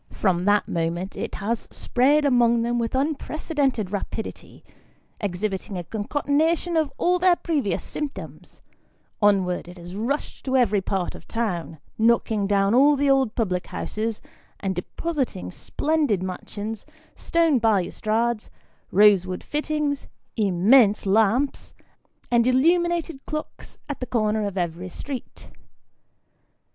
From that moment it has spread among them with unprecedented rapidity, exhibiting a concatenation of all the previous symptoms; onward it has rushed to every part of town, knocking down all the old public houses, and depositing splendid mansions, stone balustrades, rosewood fittings, immense lamps, and illuminated clocks, at the corner of every street.